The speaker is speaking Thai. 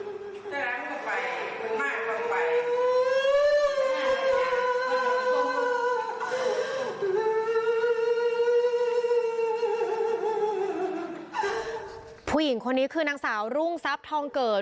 ผู้หญิงคนนี้คือนางสาวรุ่งทรัพย์ทองเกิด